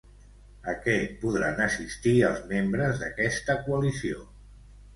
A què podran assistir els membres d'aquesta coalició?